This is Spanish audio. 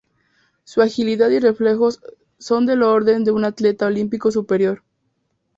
Su agilidad y reflejos son del orden de un atleta olímpico superior.